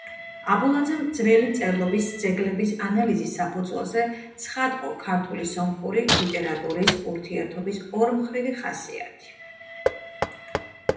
აბულაძემ ძველი მწერლობის ძეგლების ანალიზის საფუძველზე ცხადყო ქართული სომხური ლიტერატურის ურთიერთობის ორმხრივი ხასიათი.